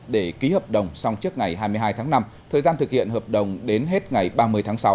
để ký hợp đồng xong trước ngày hai mươi hai tháng năm thời gian thực hiện hợp đồng đến hết ngày ba mươi tháng sáu năm hai nghìn hai mươi